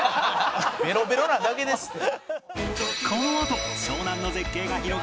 ベロベロなだけですって。